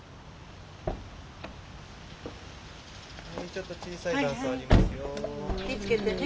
ちょっと小さい段差ありますよ。